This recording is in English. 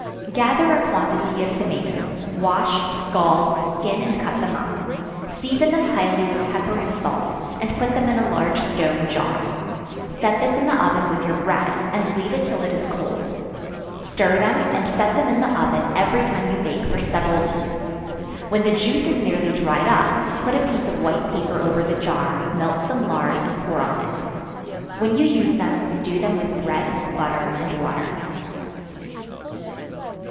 Gather a quantity of tomatoes, wash, scald, skin and cut them up; season them highly with pepper and salt, and put them in a large stone jar; set this in the oven with your bread, and leave it till it is cold; stir them, and set them in the oven every time you bake for several weeks; when the juice is nearly dried up, put a piece of white paper over the jar, melt some lard and pour on it. When you use them, stew them with bread, butter and water.